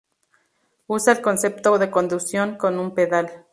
Usa el concepto de conducción con un pedal.